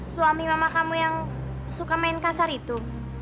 suami mama kamu yang suka main kasar itu